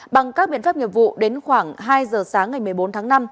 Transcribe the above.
bằng các biện pháp nghiệp vụ đến khoảng hai giờ sáng ngày một mươi bốn tháng năm